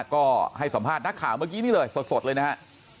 ก็ให้สัมภาษณ์นักข่าวเมื่อกี้นี่เลยสดเลยนะฮะ